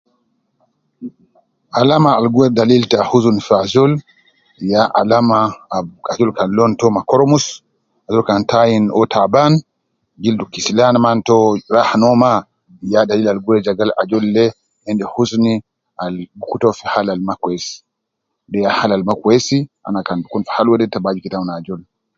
Alama al gi weri dalil ta huzun fogo ajol ya alama ab ajol kan lon to ma koromus, ajol kan ta ayin uwo taban, gildu kisilan man to raha no ma, ya dalil al gi weri je gal ajol de endi huzni al kutu uwo fi hal al mma kwesi, de ya hal al mma kwesi, ana kan kun fi hal wede te bi agder awun ajol.